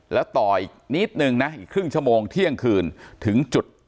แล้วต่ออีกนิดนึงนะอีกครึ่งชั่วโมงเที่ยงคืนถึงจุด